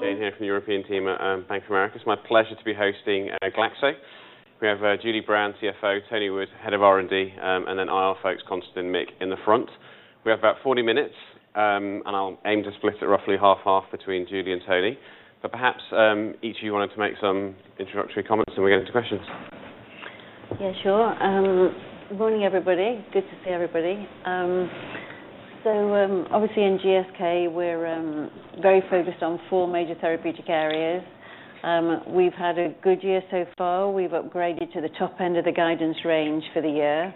Jay here from the European team at Bank of America. It's my pleasure to be hosting Glaxo. We have Julie Brown, CFO, Tony Wood, Head of R&D, and then IR folks, Constantin and Mick in the front. We have about 40 minutes, and I'll aim to split it roughly half-half between Julie and Tony. Perhaps each of you wanted to make some introductory comments, and we'll get into questions. Yeah, sure. Morning, everybody. Good to see everybody. Obviously, in GSK, we're very focused on four major therapeutic areas. We've had a good year so far. We've upgraded to the top end of the guidance range for the year.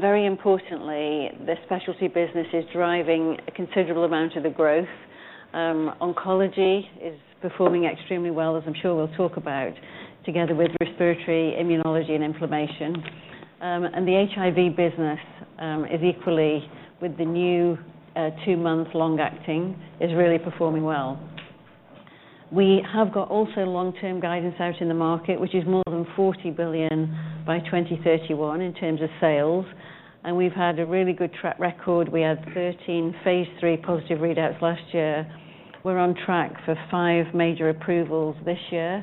Very importantly, the specialty business is driving a considerable amount of the growth. Oncology is performing extremely well, as I'm sure we'll talk about, together with respiratory, immunology, and inflammation. The HIV business is equally, with the new two-month long-acting, really performing well. We have got also long-term guidance out in the market, which is more than $40 billion by 2031 in terms of sales. We've had a really good track record. We had 13 phase III positive readouts last year. We're on track for five major approvals this year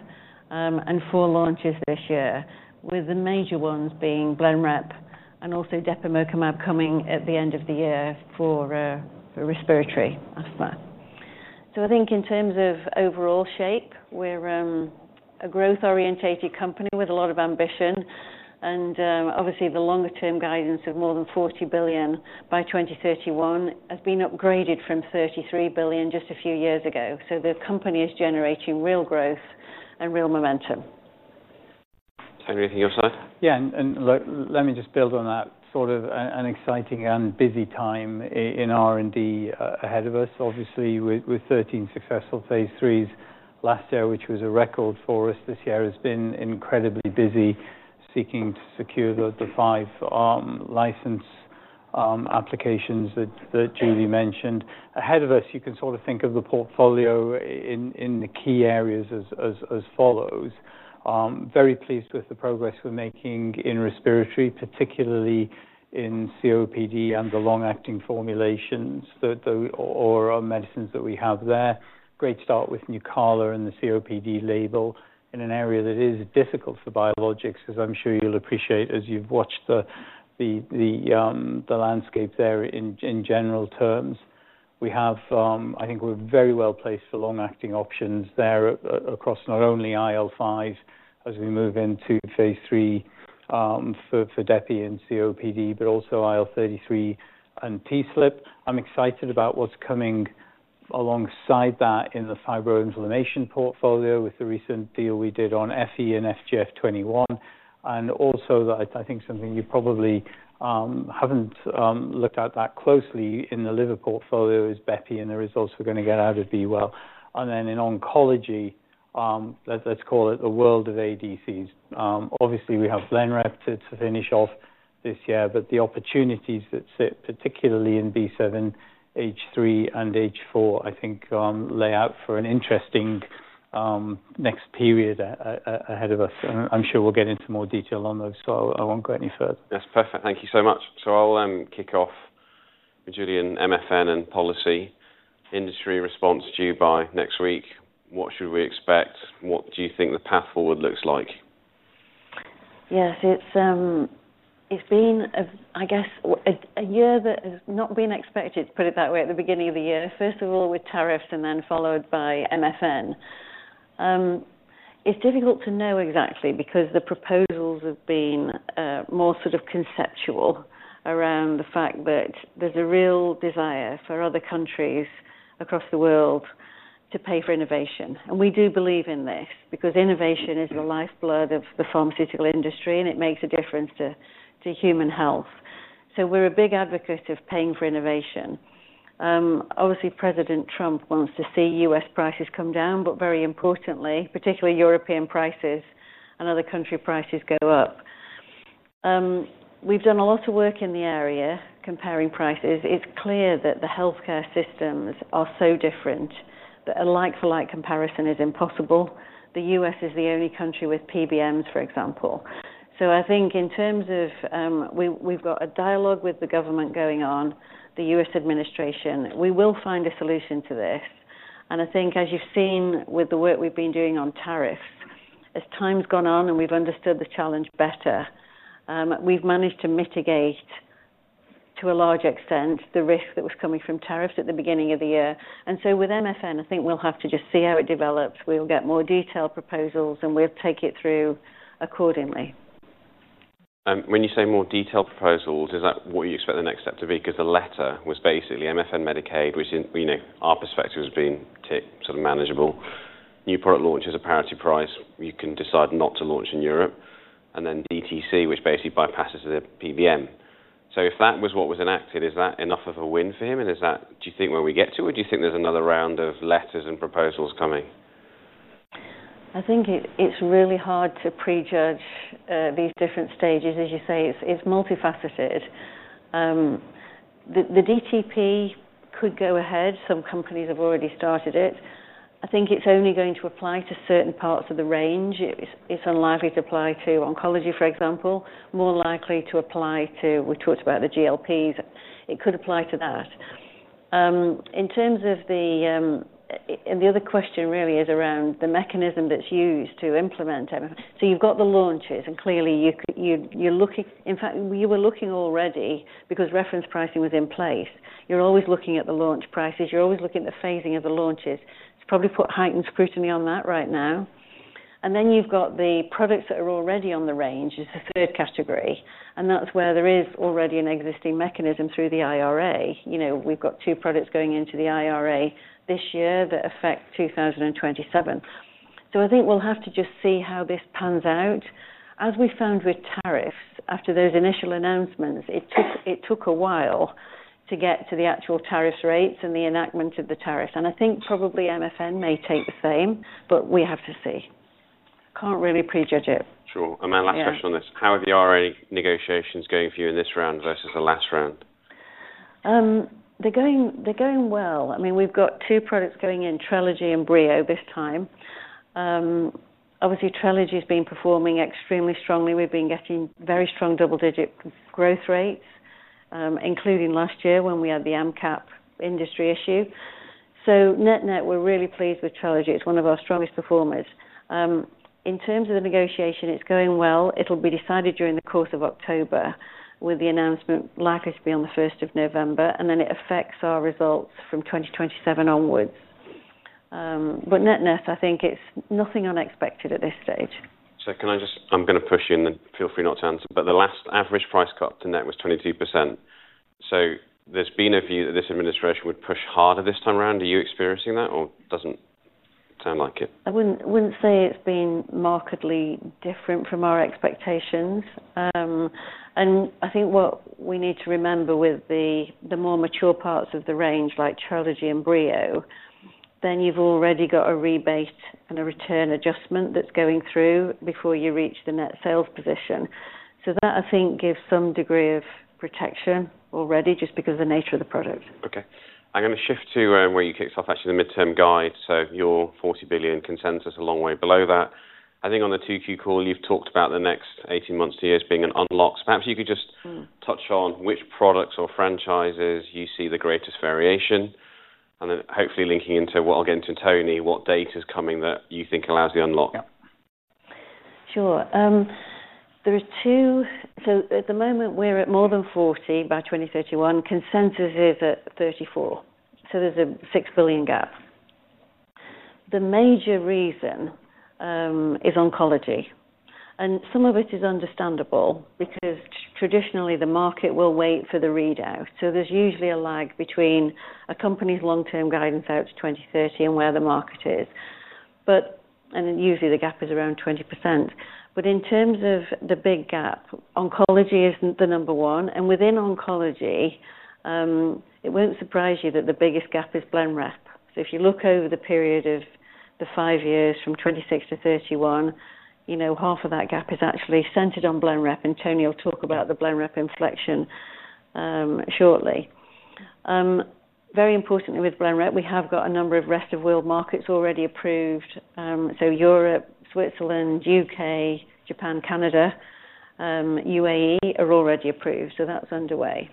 and four launches this year, with the major ones being Blenrep and also depemokimab coming at the end of the year for respiratory after that. I think in terms of overall shape, we're a growth-orientated company with a lot of ambition. Obviously, the longer-term guidance of more than $40 billion by 2031 has been upgraded from $33 billion just a few years ago. The company is generating real growth and real momentum. Tony, anything you want to say? Yeah, let me just build on that. Sort of an exciting and busy time in R&D ahead of us. Obviously, with 13 successful phase III readouts last year, which was a record for us, this year has been incredibly busy seeking to secure the five license applications that Julie mentioned. Ahead of us, you can sort of think of the portfolio in the key areas as follows. Very pleased with the progress we're making in respiratory, particularly in COPD and the long-acting formulations or medicines that we have there. Great start with Nucala and the COPD label in an area that is difficult for biologics, as I'm sure you'll appreciate as you've watched the landscape there in general terms. I think we're very well placed for long-acting options there across not only IL-5 as we move into phase III for depe in COPD, but also IL-33 and TSLP. I'm excited about what's coming alongside that in the fibroinflammation portfolio with the recent deal we did on FE and FGF21. Also, I think something you probably haven't looked at that closely in the liver portfolio is bepi, and the results we're going to get out of as well. In oncology, let's call it the world of ADCs. Obviously, we have Blenrep to finish off this year, but the opportunities that sit, particularly in B7, H3, and H4, I think lay out for an interesting next period ahead of us. I'm sure we'll get into more detail on those, so I won't go any further. That's perfect. Thank you so much. I'll kick off with Julie and MFN and policy. Industry response due by next week. What should we expect? What do you think the path forward looks like? Yes, it's been, I guess, a year that has not been expected, to put it that way, at the beginning of the year. First of all, with tariffs and then followed by MFN. It's difficult to know exactly because the proposals have been more sort of conceptual around the fact that there's a real desire for other countries across the world to pay for innovation. We do believe in this because innovation is the lifeblood of the pharmaceutical industry, and it makes a difference to human health. We're a big advocate of paying for innovation. Obviously, President Trump wants to see U.S. prices come down, but very importantly, particularly European prices and other country prices go up. We've done a lot of work in the area comparing prices. It's clear that the healthcare systems are so different that a like-for-like comparison is impossible. The U.S. is the only country with PBMs, for example. I think in terms of we've got a dialogue with the government going on, the U.S. administration. We will find a solution to this. I think, as you've seen with the work we've been doing on tariffs, as time's gone on and we've understood the challenge better, we've managed to mitigate, to a large extent, the risk that was coming from tariffs at the beginning of the year. With MFN, I think we'll have to just see how it develops. We'll get more detailed proposals, and we'll take it through accordingly. When you say more detailed proposals, is that what you expect the next step to be? The letter was basically MFN Medicaid, which in our perspective has been sort of manageable. New product launch is a parity prize. You can decide not to launch in Europe. DTC basically bypasses the PBM. If that was what was enacted, is that enough of a win for him? Do you think when we get to it, or do you think there's another round of letters and proposals coming? I think it's really hard to prejudge these different stages. As you say, it's multifaceted. The DTP could go ahead. Some companies have already started it. I think it's only going to apply to certain parts of the range. It's unlikely to apply to oncology, for example, more likely to apply to, we talked about the GLPs. It could apply to that. In terms of the, the other question really is around the mechanism that's used to implement. You've got the launches, and clearly you're looking, in fact, you were looking already because reference pricing was in place. You're always looking at the launch prices. You're always looking at the phasing of the launches. It's probably put heightened scrutiny on that right now. Then you've got the products that are already on the range, which is the third category. That's where there is already an existing mechanism through the IRA. We've got two products going into the IRA this year that affect 2027. I think we'll have to just see how this pans out. As we found with tariffs, after those initial announcements, it took a while to get to the actual tariff rates and the enactment of the tariffs. I think probably MFN may take the same, but we have to see. Can't really prejudge it. Sure. Last question on this. How are the RA negotiations going for you in this round versus the last round? They're going well. I mean, we've got two products going in, Trelegy and Breo this time. Obviously, Trelegy has been performing extremely strongly. We've been getting very strong double-digit growth rates, including last year when we had the Amcap industry issue. Net-net, we're really pleased with Trelegy. It's one of our strongest performers. In terms of the negotiation, it's going well. It'll be decided during the course of October with the announcement likely to be on the 1st of November, and then it affects our results from 2027 onwards. Net-net, I think it's nothing unexpected at this stage. Can I just, I'm going to push you and then feel free not to answer, but the last average price cut to net was 22%. There's been a view that this administration would push harder this time around. Are you experiencing that or doesn't sound like it? I wouldn't say it's been markedly different from our expectations. I think what we need to remember with the more mature parts of the range, like Trelegy and Breo, is that you've already got a rebate and a return adjustment that's going through before you reach the net sales position. That I think gives some degree of protection already just because of the nature of the product. Okay. I'm going to shift to where you kicked off, actually, the midterm guide. Your $40 billion consensus, a long way below that. I think on the 2Q call, you've talked about the next 18 months to years being an unlock. Perhaps you could just touch on which products or franchises you see the greatest variation, hopefully linking into what I'll get into in Tony, what data's coming that you think allows the unlock. Sure. There are two. At the moment, we're at more than $40 billion by 2031. Consensus is at $34 billion. There's a $6 billion gap. The major reason is oncology, and some of it is understandable because traditionally, the market will wait for the readout. There's usually a lag between a company's long-term guidance out to 2030 and where the market is. Usually, the gap is around 20%. In terms of the big gap, oncology isn't the number one. Within oncology, it won't surprise you that the biggest gap is Blenrep. If you look over the period of the five years from 2026 to 2031, half of that gap is actually centered on Blenrep. Tony will talk about the Blenrep inflection shortly. Very importantly, with Blenrep, we have got a number of rest-of-world markets already approved. Europe, Switzerland, U.K., Japan, Canada, and UAE are already approved. That's underway.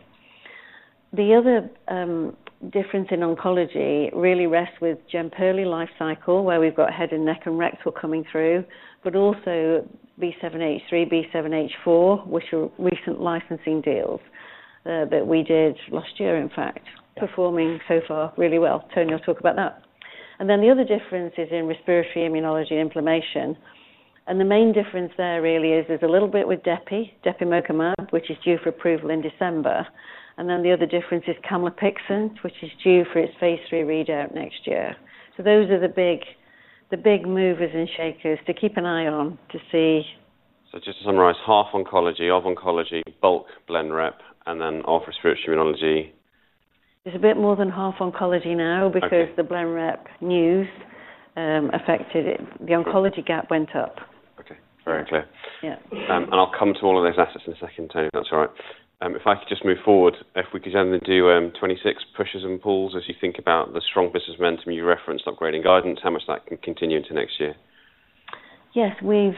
The other difference in oncology really rests with Jemperli lifecycle, where we've got head and neck and rectal coming through, but also B7-H3, B7-H4, which are recent licensing deals that we did last year, in fact, performing so far really well. Tony will talk about that. The other difference is in respiratory, immunology, and inflammation. The main difference there really is there's a little bit with depemokimab, which is due for approval in December. The other difference is camlipixant, which is due for its phase III readout next year. Those are the big movers and shakers to keep an eye on to see. To summarize, half oncology, of oncology, bulk Blenrep, and then of respiratory immunology. There's a bit more than half oncology now because the Blenrep news affected it. The oncology gap went up. Okay. Very clear. Yeah. I'll come to all of those assets in a second, Tony. That's all right. If I could just move forward, if we could then do 2026 pushes and pulls as you think about the strong business momentum you referenced, upgrading guidance, how much that can continue into next year? Yes, we're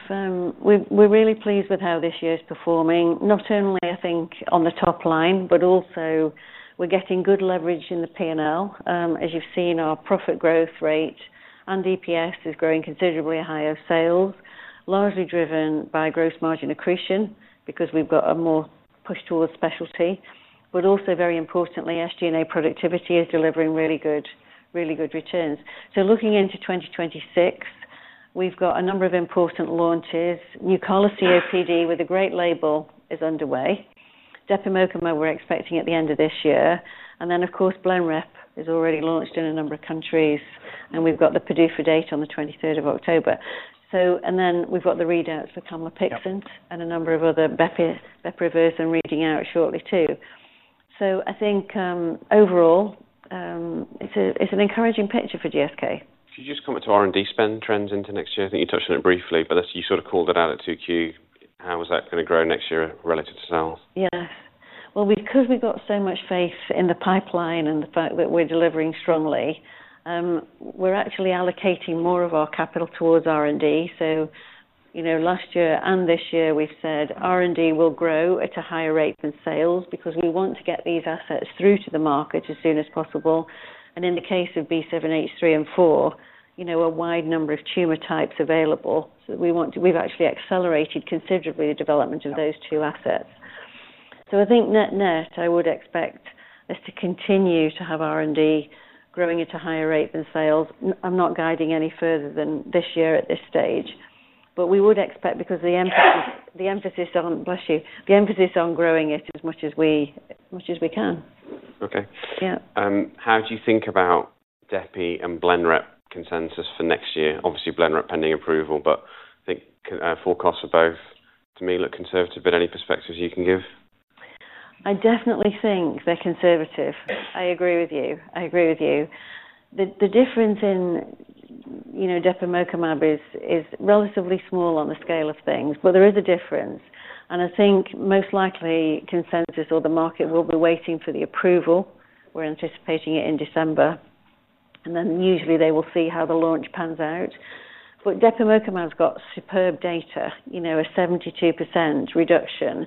really pleased with how this year's performing, not only, I think, on the top line, but also we're getting good leverage in the P&L. As you've seen, our profit growth rate and EPS is growing considerably higher sales, largely driven by gross margin accretion because we've got a more push towards specialty. Also, very importantly, SG&A productivity is delivering really good returns. Looking into 2026, we've got a number of important launches. Nucala COPD with a great label is underway. Depemokimab we're expecting at the end of this year. Of course, Blenrep is already launched in a number of countries. We've got the PDUFA for data on the 23rd of October. Then we've got the readouts for camlipixant and a number of other bepirovirsen reading out shortly too. I think overall, it's an encouraging picture for GSK. You just come to R&D spend trends into next year. I think you touched on it briefly, but let's say you sort of called it out at 2Q. How is that going to grow next year relative to sales? Yeah. Because we've got so much faith in the pipeline and the fact that we're delivering strongly, we're actually allocating more of our capital towards R&D. You know, last year and this year, we've said R&D will grow at a higher rate than sales because we want to get these assets through to the market as soon as possible. In the case of B7-H3 and 4, a wide number of tumor types available. We want to, we've actually accelerated considerably the development of those two assets. I think net-net, I would expect us to continue to have R&D growing at a higher rate than sales. I'm not guiding any further than this year at this stage. We would expect, because the emphasis on, bless you, the emphasis on growing it as much as we can. Okay. Yeah. How do you think about depe and Blenrep consensus for next year? Obviously, Blenrep pending approval, but I think forecasts for both to me look conservative, but any perspectives you can give? I definitely think they're conservative. I agree with you. I agree with you. The difference in depemokimab is relatively small on the scale of things, but there is a difference. I think most likely consensus or the market will be waiting for the approval. We're anticipating it in December. Usually, they will see how the launch pans out. Depemokimab's got superb data, you know, a 72% reduction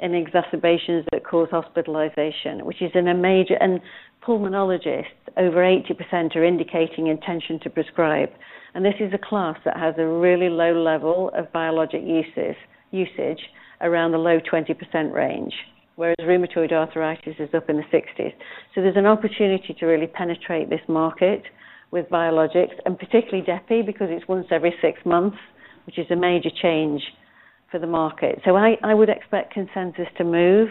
in exacerbations that cause hospitalization, which is major, and pulmonologists, over 80% are indicating intention to prescribe. This is a class that has a really low level of biologic usage, around the low 20% range, whereas rheumatoid arthritis is up in the 60s. There is an opportunity to really penetrate this market with biologics, and particularly depe because it's once every six months, which is a major change for the market. I would expect consensus to move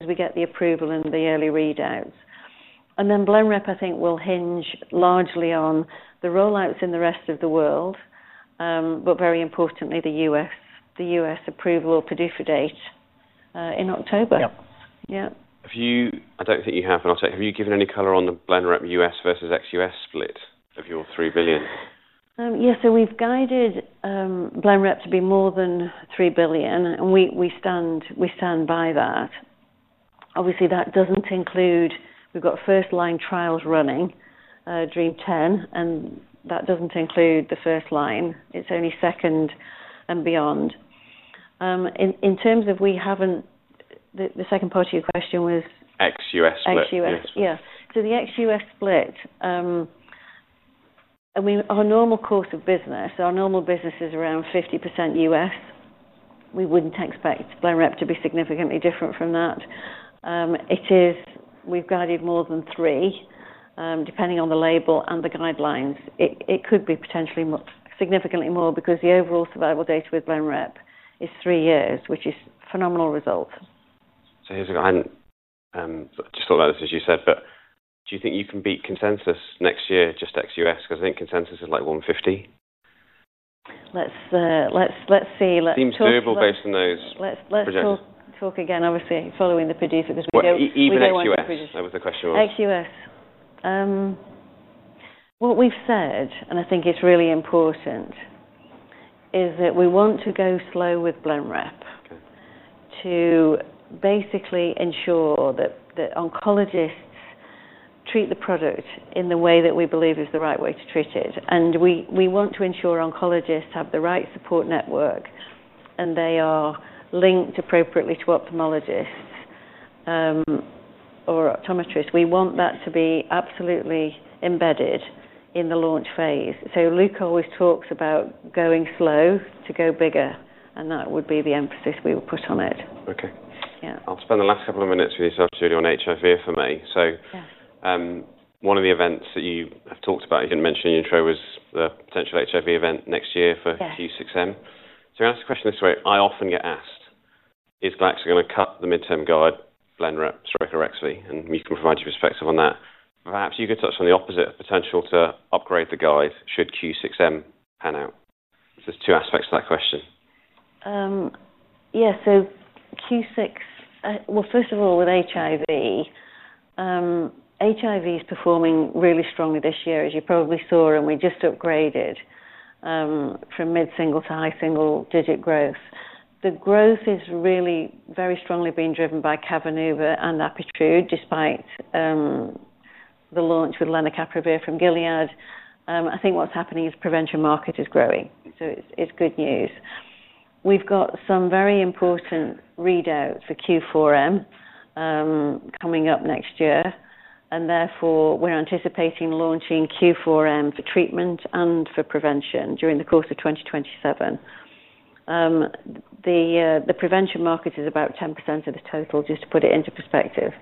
as we get the approval and the early readouts. Blenrep, I think, will hinge largely on the rollouts in the rest of the world, but very importantly, the U.S. approval or PDUFA date in October. Yeah. Yeah. I don't think you have, and I'll say, have you given any color on the Blenrep U.S. versus ex-U.S. split of your $3 billion? Yeah, so we've guided Blenrep to be more than $3 billion, and we stand by that. Obviously, that doesn't include, we've got first-line trials running, DREAMM-10, and that doesn't include the first line. It's only second and beyond. In terms of, we haven't, the second part of your question was? Ex-U.S. split. Ex-U.S., yeah. The ex-U.S. split, in our normal course of business, our normal business is around 50% U.S. We wouldn't expect Blenrep to be significantly different from that. We've guided more than three, depending on the label and the guidelines. It could be potentially significantly more because the overall survival data with Blenrep is three years, which is phenomenal results. Here's, I just thought about this as you said, but do you think you can beat consensus next year just ex-U.S.? I think consensus is like [$150]. Let's see. Team two, we'll base on those. Let's talk again, obviously, following the PDUFA for this weekend. Even ex-U.S., that was the question we were on. Ex-U.S. What we've said, and I think it's really important, is that we want to go slow with Blenrep to basically ensure that oncologists treat the product in the way that we believe is the right way to treat it. We want to ensure oncologists have the right support network, and they are linked appropriately to ophthalmologists or optometrists. We want that to be absolutely embedded in the launch phase. Luke always talks about going slow to go bigger, and that would be the emphasis we would put on it. Okay. Yeah. I'll spend the last couple of minutes for you this afternoon on HIV for me. One of the events that you have talked about, you didn't mention in the intro, was the potential HIV event next year for Q6M. Yes. I'll ask a question this way. I often get asked, is Glaxo going to cut the midterm guide, Blenrep, [sorry], Arexvy, and you can provide your perspective on that. Perhaps you could touch on the opposite of potential to upgrade the guide should Q6M pan out. There's two aspects to that question. Yeah, Q6, first of all, with HIV, HIV is performing really strongly this year, as you probably saw, and we just upgraded from mid-single to high-single digit growth. The growth is really very strongly being driven by Cabenuva and Apretude, despite the launch with Lenacapavir from Gilead. I think what's happening is the prevention market is growing. It's good news. We've got some very important readouts for Q4M coming up next year. Therefore, we're anticipating launching Q4M for treatment and for prevention during the course of 2027. The prevention market is about 10% of the total, just to put it into perspective.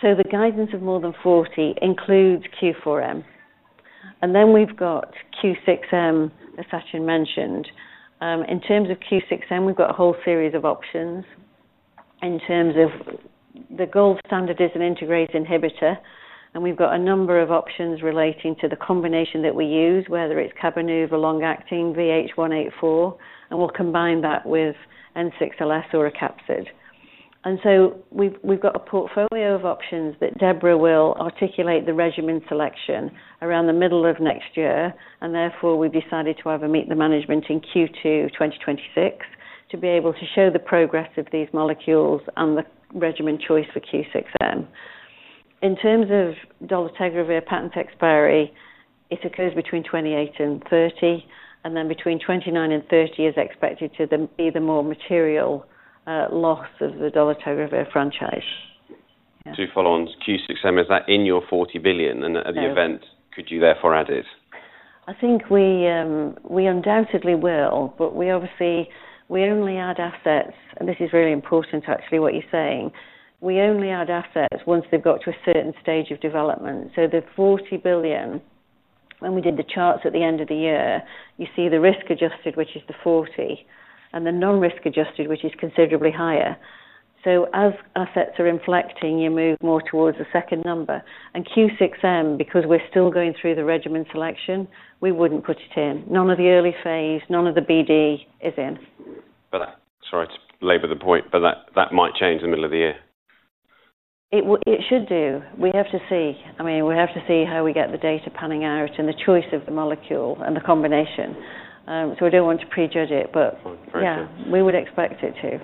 The guidance of more than 40% includes Q4M. We've got Q6M, as Sashin mentioned. In terms of Q6M, we've got a whole series of options. The gold standard is an integrase inhibitor, and we've got a number of options relating to the combination that we use, whether it's Cabenuva, long-acting, VH-184, and we'll combine that with N6LS or [a capsid]. We've got a portfolio of options that Deborah will articulate the regimen selection around the middle of next year. We've decided to either meet the management in Q2 2026 to be able to show the progress of these molecules and the regimen choice for Q6M. In terms of dolutegravir patent expiry, it occurs between 2028 and 2030, and then between 2029 and 2030 is expected to be the more material loss of the dolutegravir franchise. You follow on, Q6M, is that in your $40 billion and at the event, could you therefore add it? I think we undoubtedly will, but we obviously only add assets, and this is really important, actually, what you're saying. We only add assets once they've got to a certain stage of development. The $40 billion, when we did the charts at the end of the year, you see the risk-adjusted, which is the $40 billion, and the non-risk-adjusted, which is considerably higher. As assets are inflecting, you move more towards the second number. Q6M, because we're still going through the regimen selection, we wouldn't put it in. None of the early phase, none of the BD is in. Sorry to belabor the point, that might change in the middle of the year. It should do. We have to see how we get the data panning out and the choice of the molecule and the combination. We do not want to prejudge it, but yeah, we would expect it to.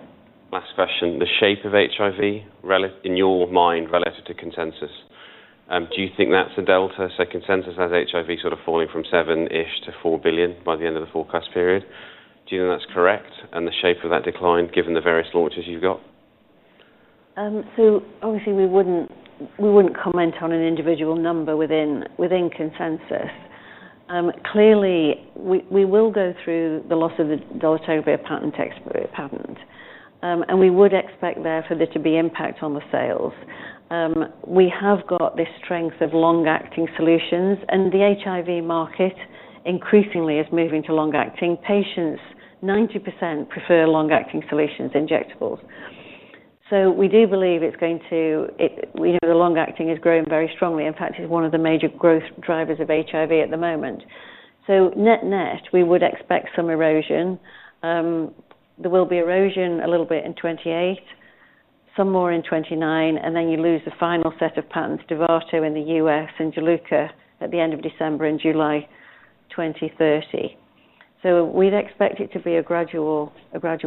Last question, the shape of HIV in your mind relative to consensus. Do you think that's a delta? Consensus has HIV sort of falling from $7-ish billion to $4 billion by the end of the forecast period. Do you think that's correct, and the shape of that decline, given the various launches you've got? Obviously, we wouldn't comment on an individual number within consensus. Clearly, we will go through the loss of the dolutegravir patent expiry patent, and we would expect there to be impact on the sales. We have got this strength of long-acting solutions, and the HIV market increasingly is moving to long-acting. Patients, 90% prefer long-acting solutions, injectables. We do believe it's going to, you know, the long-acting is growing very strongly. In fact, it's one of the major growth drivers of HIV at the moment. Net-net, we would expect some erosion. There will be erosion a little bit in 2028, some more in 2029, and then you lose the final set of patents, Dovato in the U.S. and Juluca at the end of December and July 2030. We'd expect it to be a gradual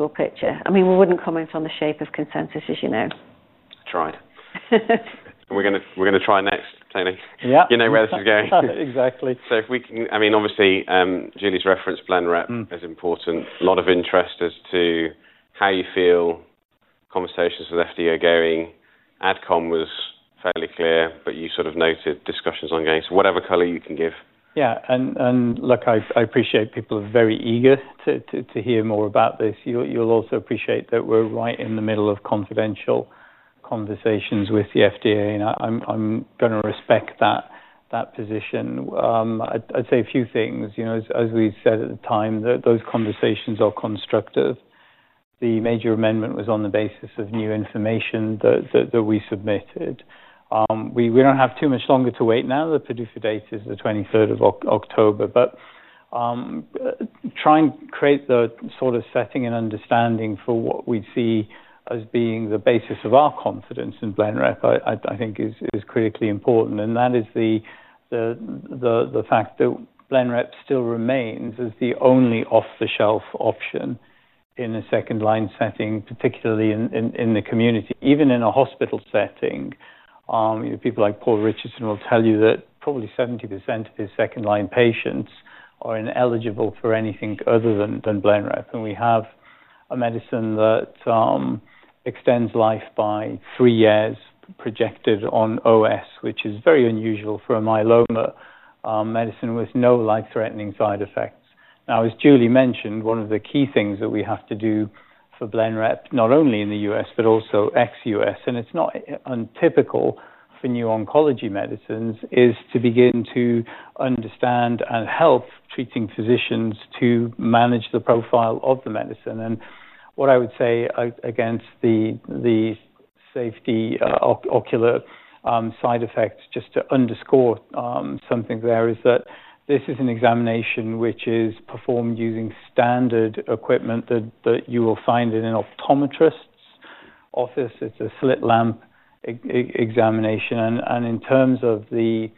picture. I mean, we wouldn't comment on the shape of consensus, as you know. That's right. We're going to try next, Tony. Yeah. You know where this is going. Exactly. If we can, I mean, obviously, Julie's referenced Blenrep as important. A lot of interest as to how you feel conversations with FDA are going. Adcom was fairly clear, but you sort of noted discussions ongoing. Whatever color you can give. Yeah, and look, I appreciate people are very eager to hear more about this. You'll also appreciate that we're right in the middle of confidential conversations with the FDA, and I'm going to respect that position. I'd say a few things. You know, as we said at the time, those conversations are constructive. The major amendment was on the basis of new information that we submitted. We don't have too much longer to wait now. The PDUFA date is the 23rd of October. Try and create the sort of setting and understanding for what we'd see as being the basis of our confidence in Blenrep, I think is critically important. That is the fact that Blenrep still remains as the only off-the-shelf option in a second-line setting, particularly in the community, even in a hospital setting. People like Paul Richardson will tell you that probably 70% of his second-line patients are ineligible for anything other than Blenrep. We have a medicine that extends life by three years projected on OS, which is very unusual for a myeloma medicine with no life-threatening side effects. Now, as Julie mentioned, one of the key things that we have to do for Blenrep, not only in the U.S., but also ex-U.S., and it's not untypical for new oncology medicines, is to begin to understand and help treating physicians to manage the profile of the medicine. What I would say against the safety ocular side effects, just to underscore something there, is that this is an examination which is performed using standard equipment that you will find in an optometrist's office. It's a slit lamp examination. In terms of the,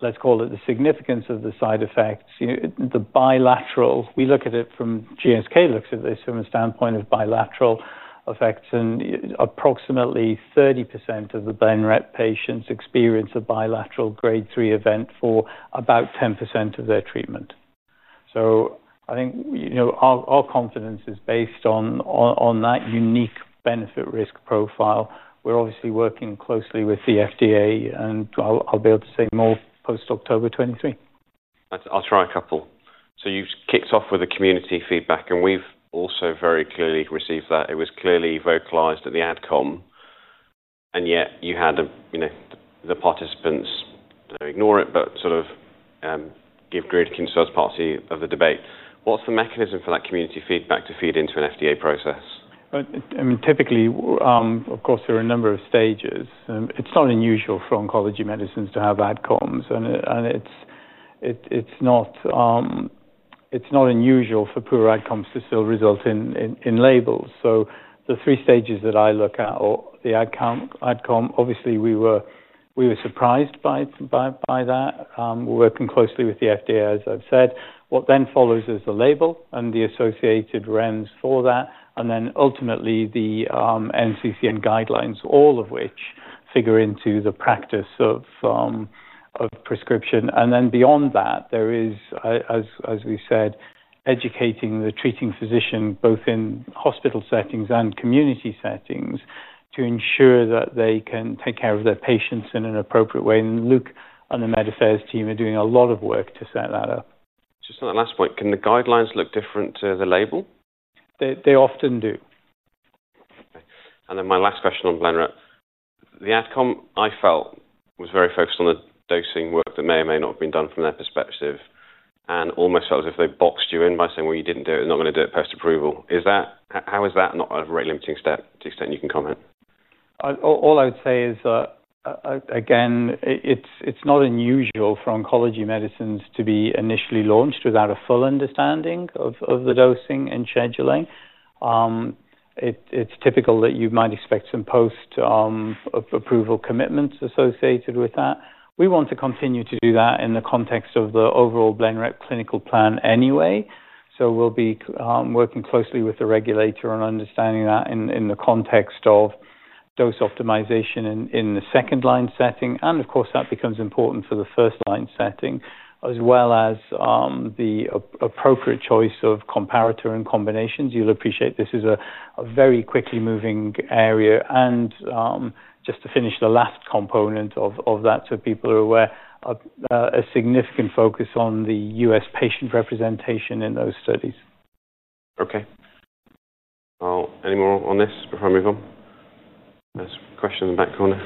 let's call it the significance of the side effects, the bilateral, we look at it from GSK looks at this from a standpoint of bilateral effects. Approximately 30% of the Blenrep patients experience a bilateral grade 3 event for about 10% of their treatment. I think our confidence is based on that unique benefit-risk profile. We're obviously working closely with the FDA, and I'll be able to say more post-October 23. I'll try a couple. You've kicked off with the community feedback, and we've also very clearly received that. It was clearly vocalized at the adcom. Yet you had the participants ignore it, but sort of give grid consult party of the debate. What's the mechanism for that community feedback to feed into an FDA process? I mean, typically, of course, there are a number of stages. It's not unusual for oncology medicines to have adcoms. It's not unusual for poor adcoms to still result in labels. The three stages that I look at are the adcom. Obviously, we were surprised by that. We're working closely with the FDA, as I've said. What then follows is the label and the associated REMS for that. Ultimately, the NCCN guidelines, all of which figure into the practice of prescription. Beyond that, there is, as we said, educating the treating physician, both in hospital settings and community settings, to ensure that they can take care of their patients in an appropriate way. Luke and the Med Affairs team are doing a lot of work to set that up. Just on that last point, can the guidelines look different to the label? They often do. My last question on Blenrep. The adcom, I felt, was very focused on the dosing work that may or may not have been done from their perspective. It almost felt as if they boxed you in by saying you didn't do it, they're not going to do it post-approval. Is that, how is that not a rate-limiting step to the extent you can comment? All I would say is that, again, it's not unusual for oncology medicines to be initially launched without a full understanding of the dosing and scheduling. It's typical that you might expect some post-approval commitments associated with that. We want to continue to do that in the context of the overall Blenrep clinical plan anyway. We'll be working closely with the regulator on understanding that in the context of dose optimization in the second-line setting. That becomes important for the first-line setting, as well as the appropriate choice of comparator and combinations. You'll appreciate this is a very quickly moving area. Just to finish the last component of that, so people are aware, a significant focus on the U.S. patient representation in those studies. Okay. Any more on this before I move on? There's a question in the back corner.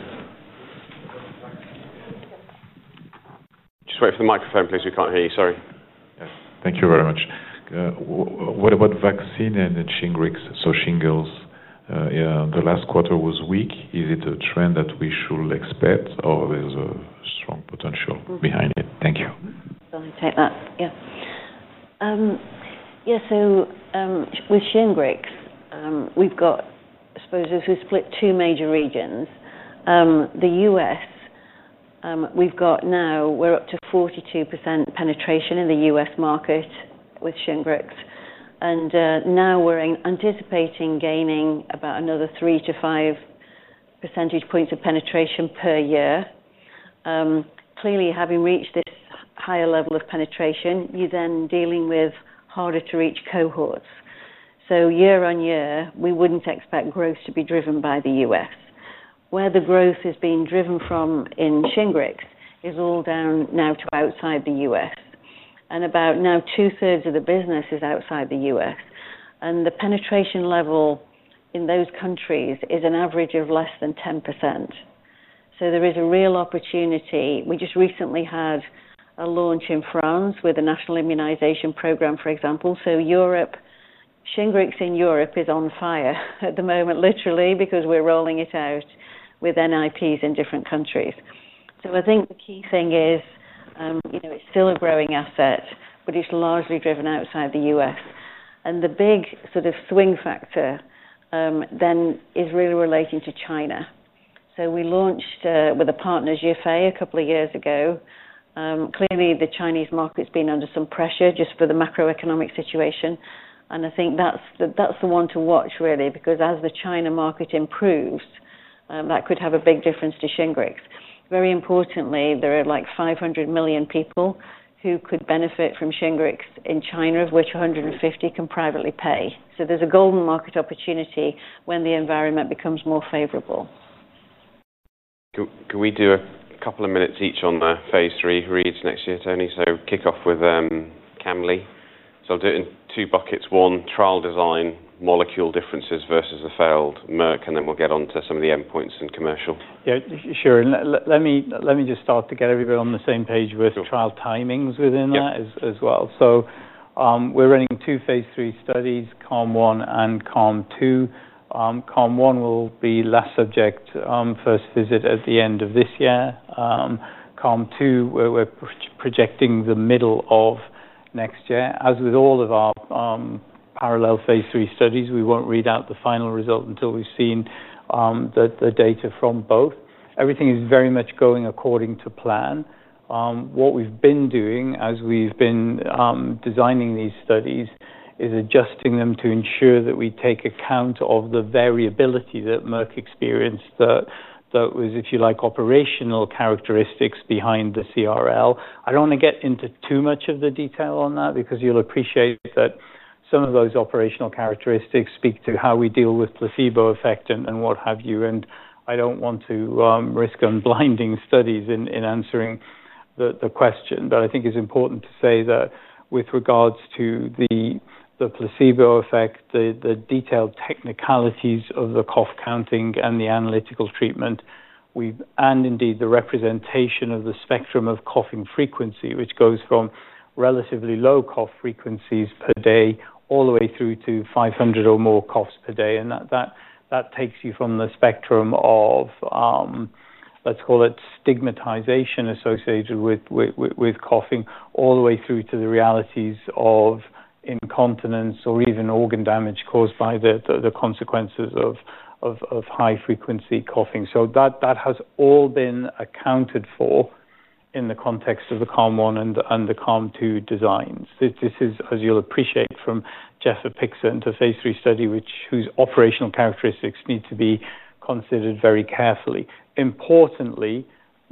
Just wait for the microphone, please. We can't hear you. Sorry. Thank you very much. What about vaccine and Shingrix, so shingles. The last quarter was weak. Is it a trend that we should expect or there's a strong potential behind it? Thank you. I'll take that. Yeah, with Shingrix, we've got, I suppose, as we split two major regions, the U.S., we've got now, we're up to 42% penetration in the U.S. market with Shingrix. We're anticipating gaining about another three to five percentage points of penetration per year. Clearly, having reached this higher level of penetration, you're then dealing with harder-to-reach cohorts. Year on year, we wouldn't expect growth to be driven by the U.S. Where the growth is being driven from in Shingrix is all down now to outside the U.S. About now, 2/3 of the business is outside the U.S., and the penetration level in those countries is an average of less than 10%. There is a real opportunity. We just recently had a launch in France with the National Immunization Programme, for example. Europe, Shingrix in Europe is on fire at the moment, literally, because we're rolling it out with NIPs in different countries. I think the key thing is, you know, it's still a growing asset, but it's largely driven outside the U.S. The big sort of swing factor then is really relating to China. We launched with a partner, Zhifei, a couple of years ago. Clearly, the Chinese market's been under some pressure just for the macroeconomic situation. I think that's the one to watch, really, because as the China market improves, that could have a big difference to Shingrix. Very importantly, there are like 500 million people who could benefit from Shingrix in China, of which 150 million can privately pay. There's a golden market opportunity when the environment becomes more favorable. Can we do a couple of minutes each on the phase III readouts next year, Tony? Kick off with camli. I'll do it in two buckets. One, trial design, molecule differences versus the failed Merck, and then we'll get on to some of the endpoints and commercial. Yeah, sure. Let me just start to get everybody on the same page with trial timings within that as well. We're running two phase III studies, CARM1 and CARM2. CARM1 will be last subject first visit at the end of this year. CARM2, we're projecting the middle of next year. As with all of our parallel phase III studies, we won't read out the final result until we've seen the data from both. Everything is very much going according to plan. What we've been doing as we've been designing these studies is adjusting them to ensure that we take account of the variability that Merck experienced, that was, if you like, operational characteristics behind the CRL. I don't want to get into too much of the detail on that because you'll appreciate that some of those operational characteristics speak to how we deal with placebo effect and what have you. I don't want to risk unblinding studies in answering the question. I think it's important to say that with regards to the placebo effect, the detailed technicalities of the cough counting and the analytical treatment, and indeed the representation of the spectrum of coughing frequency, which goes from relatively low cough frequencies per day all the way through to 500 or more coughs per day. That takes you from the spectrum of, let's call it, stigmatization associated with coughing all the way through to the realities of incontinence or even organ damage caused by the consequences of high-frequency coughing. That has all been accounted for in the context of the CARM1 and the CARM2 designs. This is, as you'll appreciate from gefapixant in the phase III study, whose operational characteristics need to be considered very carefully. Importantly,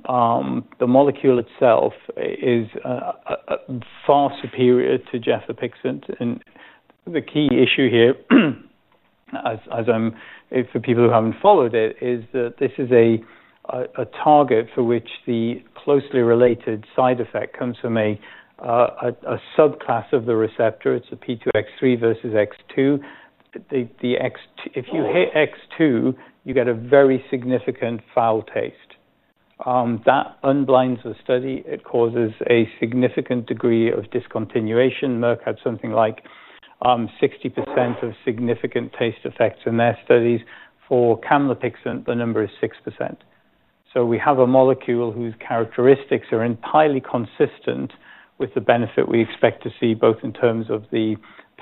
the molecule itself is far superior to gefapixant. The key issue here, as I'm for people who haven't followed it, is that this is a target for which the closely related side effect comes from a subclass of the receptor. It's a P2X3 versus X2. If you hit X2, you get a very significant foul taste. That unblinds the study. It causes a significant degree of discontinuation. Merck had something like 60% of significant taste effects in their studies. For camlipixant, the number is 6%. We have a molecule whose characteristics are entirely consistent with the benefit we expect to see, both in terms of the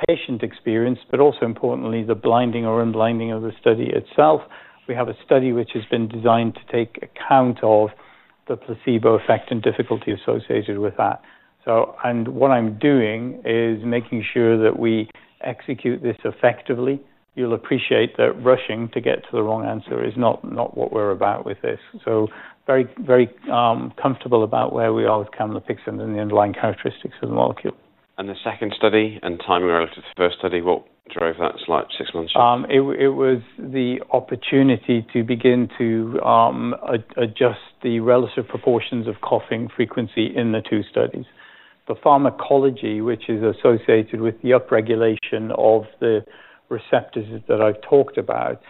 patient experience, but also importantly, the blinding or unblinding of the study itself. We have a study which has been designed to take account of the placebo effect and difficulty associated with that. What I'm doing is making sure that we execute this effectively. You'll appreciate that rushing to get to the wrong answer is not what we're about with this. Very, very comfortable about where we are with camlipixant and the underlying characteristics of the molecule. The second study and timing relative to the first study, what drove that slide six months? It was the opportunity to begin to adjust the relative proportions of coughing frequency in the two studies. The pharmacology, which is associated with the upregulation of the receptors that I've talked about,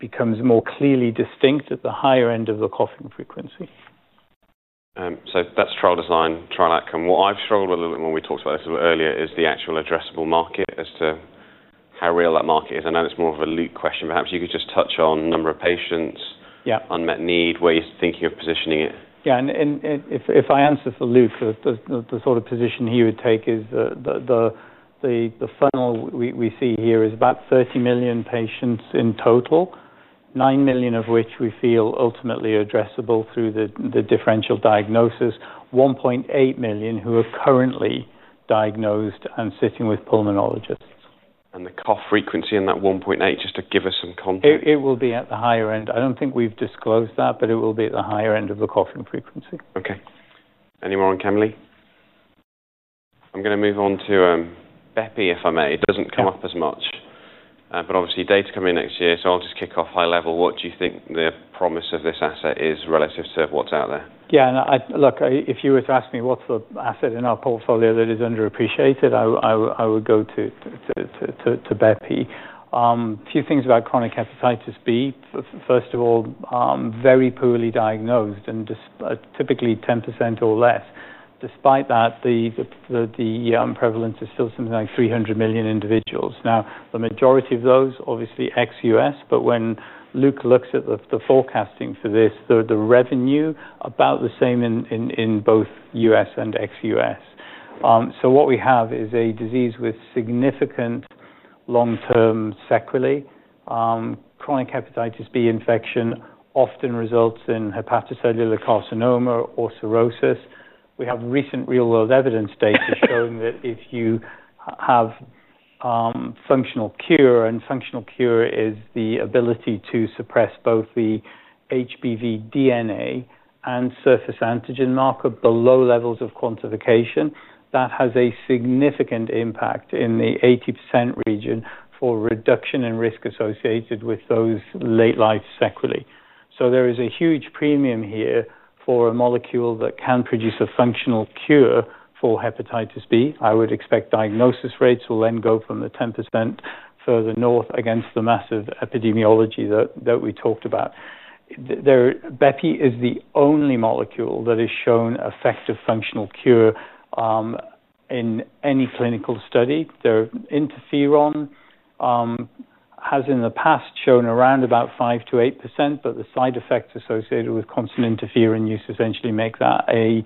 becomes more clearly distinct at the higher end of the coughing frequency. That's trial design, trial outcome. What I've struggled with a little bit more, we talked about this a little bit earlier, is the actual addressable market as to how real that market is. I know it's more of a Luke question. Perhaps you could just touch on a number of patients, unmet need, ways thinking of positioning it. Yeah, if I answer for Luke, the sort of position he would take is that the funnel we see here is about 30 million patients in total, 9 million of which we feel ultimately are addressable through the differential diagnosis, 1.8 million who are currently diagnosed and sitting with pulmonologists. The cough frequency in that 1.8 million, just to give us some context. It will be at the higher end. I don't think we've disclosed that, but it will be at the higher end of the coughing frequency. Okay. Any more on camli? I'm going to move on to bepi, if I may. It doesn't come up as much. Obviously, data coming next year, so I'll just kick off high level. What do you think the promise of this asset is relative to what's out there? Yeah, and look, if you were to ask me what's the asset in our portfolio that is underappreciated, I would go to bepi. A few things about chronic hepatitis B. First of all, very poorly diagnosed and typically 10% or less. Despite that, the prevalence is still something like 300 million individuals. The majority of those, obviously, ex-U.S., but when Luke looks at the forecasting for this, the revenue is about the same in both U.S. and ex-U.S. What we have is a disease with significant long-term sequelae. Chronic hepatitis B infection often results in hepatocellular carcinoma or cirrhosis. We have recent real-world evidence data showing that if you have functional cure, and functional cure is the ability to suppress both the HBV DNA and surface antigen marker below levels of quantification, that has a significant impact in the 80% region for reduction in risk associated with those late-life sequelae. There is a huge premium here for a molecule that can produce a functional cure for hepatitis B. I would expect diagnosis rates will then go from the 10% further north against the massive epidemiology that we talked about. Bepi is the only molecule that has shown effective functional cure in any clinical study. Interferon has in the past shown around about 5%-8%, but the side effects associated with constant interferon use essentially make that a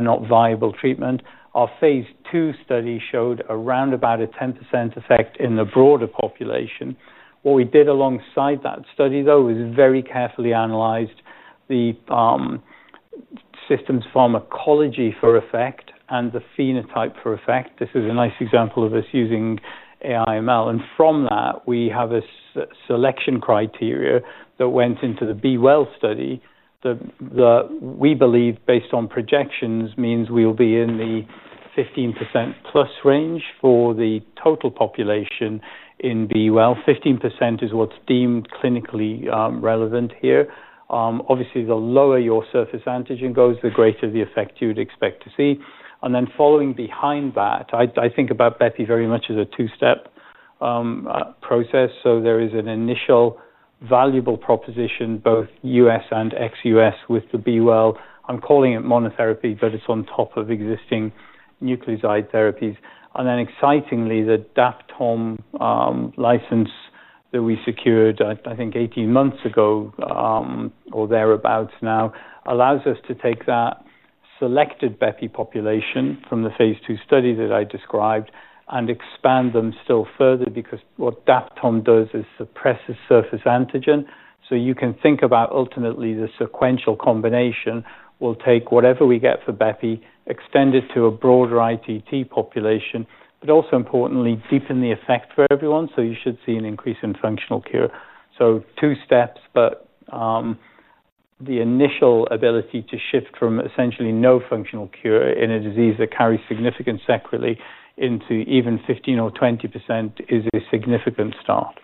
not viable treatment. Our phase II study showed around about a 10% effect in the broader population. What we did alongside that study, though, is very carefully analyze the system's pharmacology for effect and the phenotype for effect. This is a nice example of us using AI/ML. From that, we have a selection criteria that went into the B-Well study that we believe, based on projections, means we'll be in the 15%+ range for the total population in B-Well. 15% is what's deemed clinically relevant here. Obviously, the lower your surface antigen goes, the greater the effect you'd expect to see. Following behind that, I think about bepi very much as a two-step process. There is an initial valuable proposition, both U.S. and ex-U.S. with the B-Well. I'm calling it monotherapy, but it's on top of existing nucleoside therapies. Excitingly, the DAP/TOM license that we secured, I think 18 months ago or thereabouts now, allows us to take that selected bepi population from the phase II study that I described and expand them still further because what DAP/TOM does is suppress a surface antigen. You can think about ultimately the sequential combination will take whatever we get for bepi, extend it to a broader ITT population, but also importantly, deepen the effect for everyone. You should see an increase in functional cure. Two steps, but the initial ability to shift from essentially no functional cure in a disease that carries significant sequelae into even 15% or 20% is a significant start.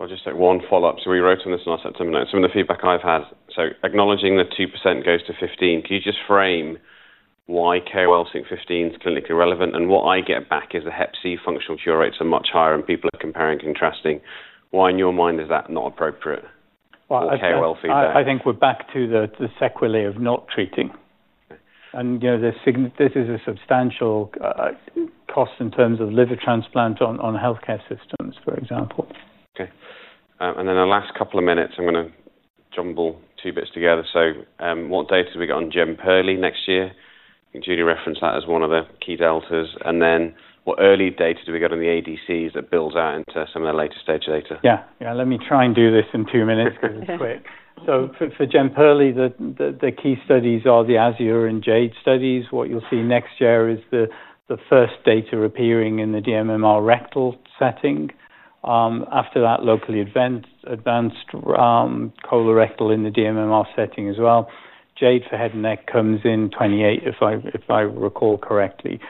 I'll just take one follow-up. We wrote on this last September note. Some of the feedback I've had, acknowledging that 2% goes to 15%, can you just frame why KOL seeing 15% is clinically relevant? What I get back is the Hep C functional cure rates are much higher and people are comparing and contrasting. Why in your mind is that not appropriate? I think we're back to the sequelae of not treating. You know, this is a substantial cost in terms of liver transplant on healthcare systems, for example. Okay. In the last couple of minutes, I'm going to jumble two bits together. What data do we get on Jemperli next year? I think Julie referenced that as one of the key deltas. What early data do we get on the ADCs that build out into some of the latest data? Yeah, let me try and do this in two minutes because it's quick. For Jemperli, the key studies are the AZUR and JADE studies. What you'll see next year is the first data appearing in the DMMR rectal setting. After that, locally advanced colorectal in the DMMR setting as well. JADE for head and neck comes in 2028, if I recall correctly.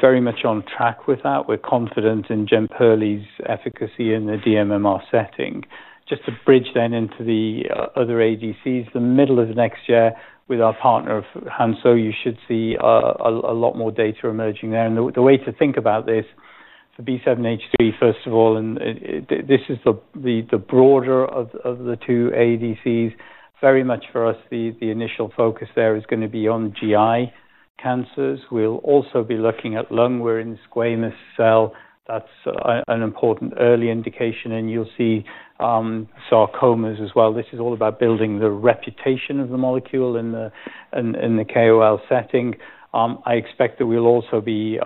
Very much on track with that. We're confident in Jemperli's efficacy in the DMMR setting. Just to bridge then into the other ADCs, the middle of next year with our partner Hansoh, you should see a lot more data emerging there. The way to think about this, B7-H3, first of all, and this is the broader of the two ADCs. Very much for us, the initial focus there is going to be on GI cancers. We'll also be looking at lung. We're in squamous cell. That's an important early indication. You'll see sarcomas as well. This is all about building the reputation of the molecule in the KOL setting. I expect that we'll also be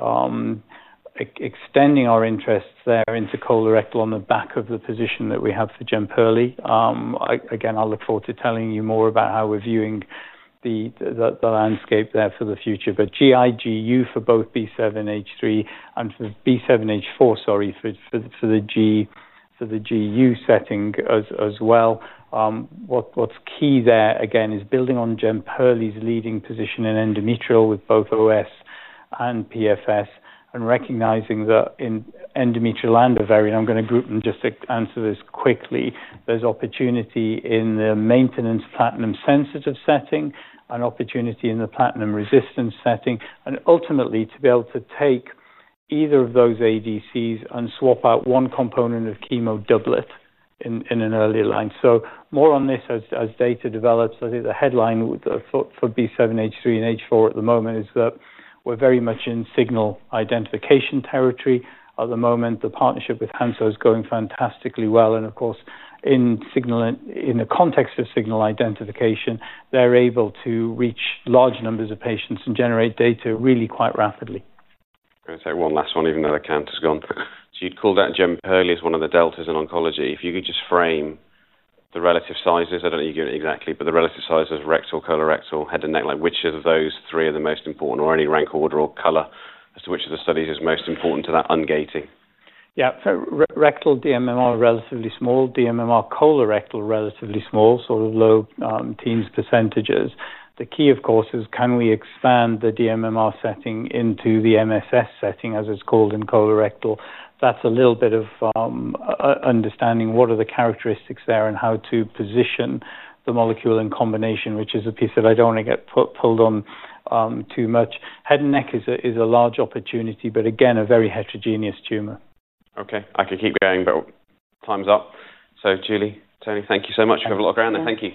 extending our interests there into colorectal on the back of the position that we have for Jemperli. I look forward to telling you more about how we're viewing the landscape there for the future. GIGU for both B7-H3 and for B7-H4, sorry, for the GU setting as well. What's key there, again, is building on Jemperli's leading position in endometrial with both OS and PFS and recognizing that in endometrial and ovarian. I'm going to group them just to answer this quickly. There's opportunity in the maintenance platinum sensitive setting and opportunity in the platinum resistance setting. Ultimately, to be able to take either of those ADCs and swap out one component of chemo doublet in an early line. More on this as data develops. I think the headline for B7-H3 and H4 at the moment is that we're very much in signal identification territory. At the moment, the partnership with Hansoh is going fantastically well. Of course, in the context of signal identification, they're able to reach large numbers of patients and generate data really quite rapidly. I'm going to take one last one, even though the count has gone. You'd call that Jemperli as one of the deltas in oncology. If you could just frame the relative sizes, I don't know you get it exactly, but the relative sizes of rectal, colorectal, head and neck, like which of those three are the most important, or any rank order or color, as to which of the studies is most important to that ungating? Yeah, so rectal DMMR relatively small, DMMR colorectal relatively small, so low teens percentages. The key, of course, is can we expand the DMMR setting into the MSS setting, as it's called in colorectal. That's a little bit of understanding what are the characteristics there and how to position the molecule in combination, which is a piece that I don't want to get pulled on too much. Head and neck is a large opportunity, but again, a very heterogeneous tumor. Okay, I can keep going, but time's up. Julie, Tony, thank you so much. We have a lot of ground. Thank you.